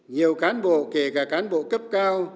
nhiều cán bộ kể cả cán bộ cấp cao